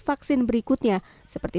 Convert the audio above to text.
vaksin berikutnya seperti